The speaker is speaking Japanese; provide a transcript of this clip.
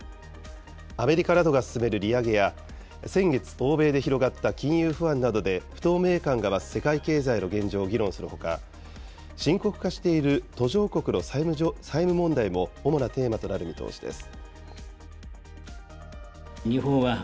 アメリカなどが進める利上げや、先月、欧米で広がった金融不安などで不透明感が増す世界経済の現状を議論するほか、深刻化している途上国の債務問題も主なテーマとなる見通しです。